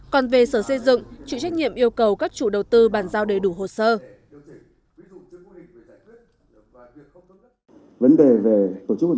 còn về sở xây dựng chịu trách nhiệm yêu cầu các chủ đầu tư bàn giao đầy đủ hồ sơ